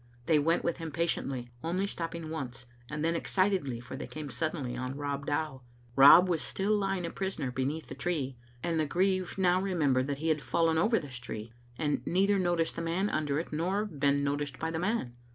They went with him patiently, only stopping once, and then ex citedly, for they come suddenly on Rob Dow. Rob was Mtill lying a prisoner beneath the tree, and the grieve ^ow remembered that he had fallen over this tree, and beither noticed the man under it nor been notic^ by the man.